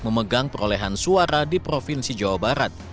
dinilai akan membawa lumbung suara bagi golkar di pemilu dunia